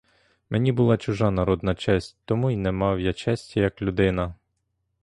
Мені була чужа народна честь, тому й не мав я честі як людина.